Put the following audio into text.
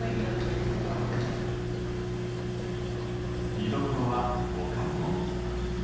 見どころは他にも。